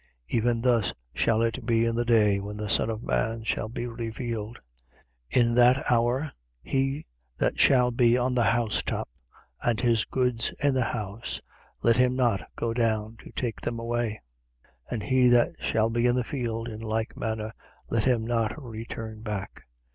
17:30. Even thus shall it be in the day when the Son of man shall be revealed. 17:31. In that hour, he that shall be on the housetop, and his goods in the house, let him not go down to take them away: and he that shall be in the field, in like manner, let him not return back.